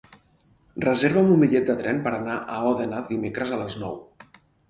Reserva'm un bitllet de tren per anar a Òdena dimecres a les nou.